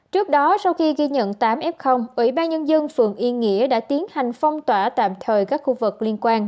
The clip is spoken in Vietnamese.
trước đó sau khi ghi nhận tám f ủy ban nhân dân phường yên nghĩa đã tiến hành phong tỏa tạm thời các khu vực liên quan